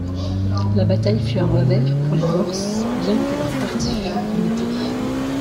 La bataille fut un revers pour les Boers, bien que leurs pertes furent limitées.